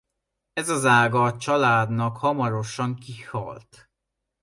Ez az ága a családnak hamarosan kihalt.